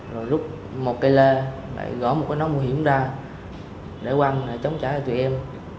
rồi rút một cây lê gõ một cái nón mùi hiểm ra để quăng để chống trả cho tụi em